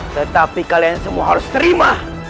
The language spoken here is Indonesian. tetapi kalian semua harus terima